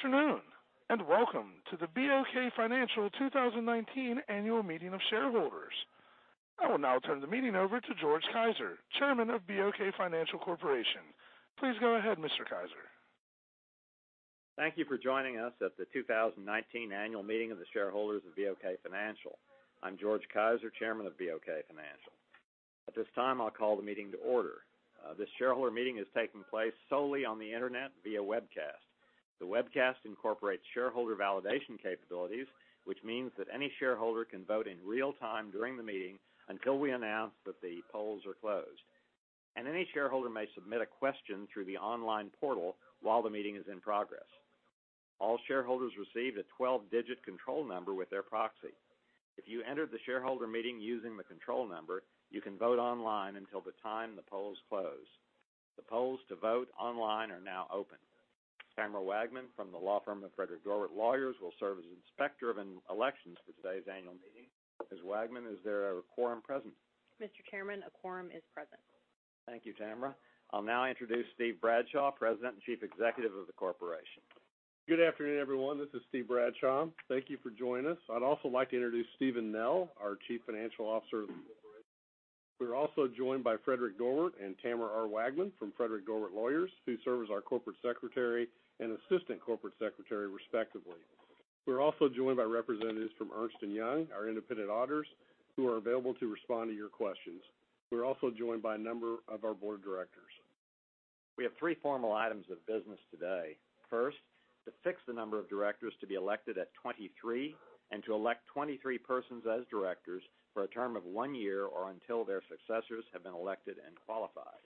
Good afternoon, welcome to the BOK Financial 2019 Annual Meeting of Shareholders. I will now turn the meeting over to George Kaiser, Chairman of BOK Financial Corporation. Please go ahead, Mr. Kaiser. Thank you for joining us at the 2019 Annual Meeting of the Shareholders of BOK Financial. I'm George Kaiser, Chairman of BOK Financial. At this time, I'll call the meeting to order. This shareholder meeting is taking place solely on the internet via webcast. The webcast incorporates shareholder validation capabilities, which means that any shareholder can vote in real time during the meeting until we announce that the polls are closed. Any shareholder may submit a question through the online portal while the meeting is in progress. All shareholders received a 12-digit control number with their proxy. If you entered the shareholder meeting using the control number, you can vote online until the time the polls close. The polls to vote online are now open. Tamara Wagman from the law firm of Frederic Dorwart, Lawyers will serve as Inspector of Elections for today's annual meeting. Ms. Wagman, is there a quorum present? Mr. Chairman, a quorum is present. Thank you, Tamara. I'll now introduce Steve Bradshaw, President and Chief Executive of the Corporation. Good afternoon, everyone. This is Steve Bradshaw. Thank you for joining us. I'd also like to introduce Steven Nell, our Chief Financial Officer of the Corporation. We're also joined by Frederic Dorwart and Tamara R. Wagman from Frederic Dorwart Lawyers, who serve as our Corporate Secretary and Assistant Corporate Secretary respectively. We're also joined by representatives from Ernst & Young, our independent auditors, who are available to respond to your questions. We're also joined by a number of our Board of Directors. We have three formal items of business today. First, to fix the number of directors to be elected at 23, and to elect 23 persons as directors for a term of one year or until their successors have been elected and qualified.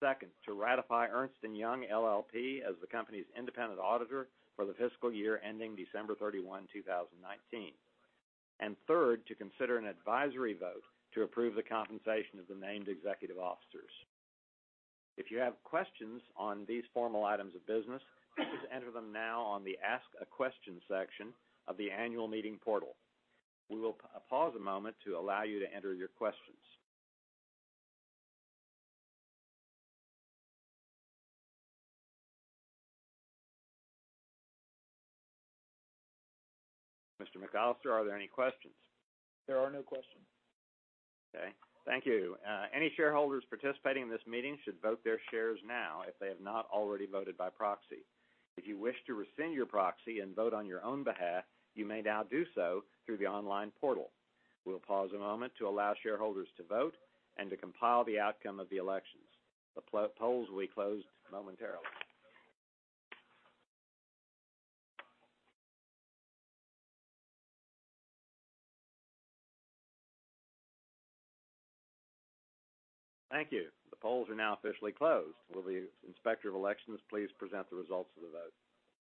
Second, to ratify Ernst & Young LLP as the company's independent auditor for the fiscal year ending December 31, 2019. Third, to consider an advisory vote to approve the compensation of the named executive officers. If you have questions on these formal items of business, please enter them now on the Ask a Question section of the Annual Meeting Portal. We will pause a moment to allow you to enter your questions. Mr. McAllister, are there any questions? There are no questions. Okay. Thank you. Any shareholders participating in this meeting should vote their shares now if they have not already voted by proxy. If you wish to rescind your proxy and vote on your own behalf, you may now do so through the online portal. We will pause a moment to allow shareholders to vote and to compile the outcome of the elections. The polls will be closed momentarily. Thank you. The polls are now officially closed. Will the Inspector of Elections please present the results of the vote?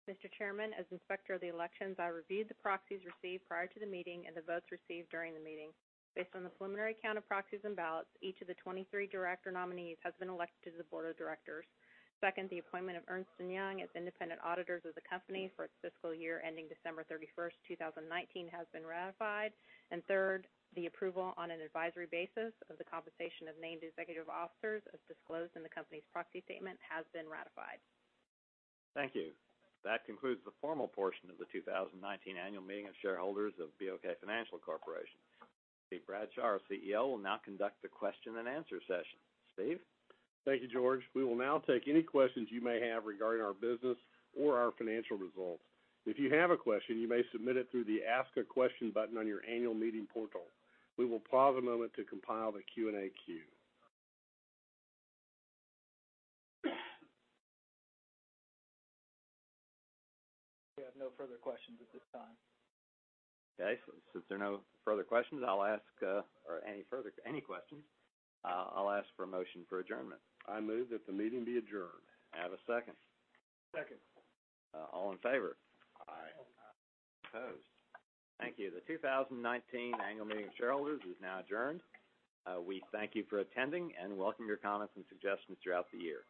Mr. Chairman, as Inspector of the Elections, I reviewed the proxies received prior to the meeting and the votes received during the meeting. Based on the preliminary count of proxies and ballots, each of the 23 director nominees has been elected to the board of directors. Second, the appointment of Ernst & Young as independent auditors of the company for its fiscal year ending December 31st, 2019, has been ratified. Third, the approval on an advisory basis of the compensation of named executive officers as disclosed in the company's proxy statement has been ratified. Thank you. That concludes the formal portion of the 2019 Annual Meeting of Shareholders of BOK Financial Corporation. Steve Bradshaw, our CEO, will now conduct the question and answer session. Steve? Thank you, George. We will now take any questions you may have regarding our business or our financial results. If you have a question, you may submit it through the Ask a Question button on your annual meeting portal. We will pause a moment to compile the Q&A queue. We have no further questions at this time. Okay. Since there are no further questions, I'll ask for a motion for adjournment. I move that the meeting be adjourned. I have a second? Second. All in favor? Aye. Opposed? Thank you. The 2019 Annual Meeting of Shareholders is now adjourned. We thank you for attending and welcome your comments and suggestions throughout the year.